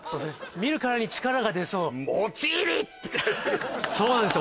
見るからに力が出そう「もち入」って書いてあるそうなんですよ